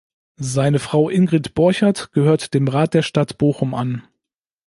Seine Frau Ingrid Borchert gehört dem Rat der Stadt Bochum an.